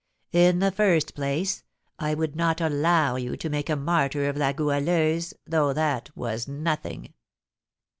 In the first place, I would not allow you to make a martyr of La Goualeuse, though that was nothing.